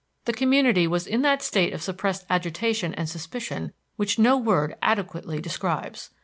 The community was in that state of suppressed agitation and suspicion which no word adequately describes.